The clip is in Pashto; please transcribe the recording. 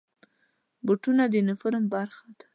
بوټونه د یونیفورم برخه ده.